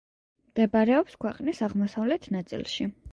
მდებარეობს ქვეყნის აღმოსავლეთ ნაწილში.